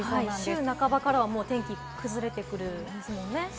週半ばからは天気、崩れてくるんですもんね？